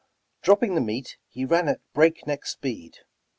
Dropping the meat he ran at break neck speed.